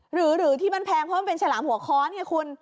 หรือที่มันแพงเพราะมันเป็นฉลามหัวค้อนไงคุณ